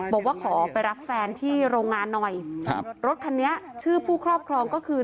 บอกว่าขอไปรับแฟนที่โรงงานหน่อยครับรถคันนี้ชื่อผู้ครอบครองก็คือ